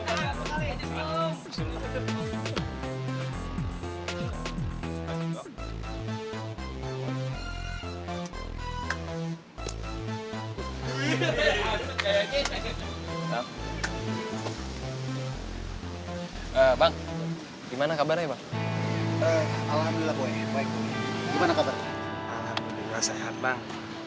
alhamdulillah saya baik bang